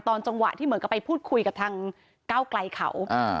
จังหวะที่เหมือนกับไปพูดคุยกับทางก้าวไกลเขา